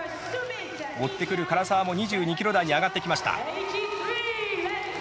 追ってくる唐澤も２２キロ台に上がってきました。